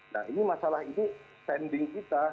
nah ini masalah ini standing kita